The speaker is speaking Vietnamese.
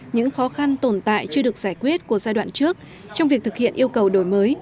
những khó khăn tồn tại chưa được giải quyết của giai đoạn trước trong việc thực hiện yêu cầu đổi mới